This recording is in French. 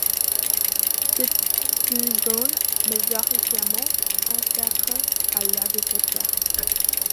C'est une zone majoritairement consacrée à l'agriculture.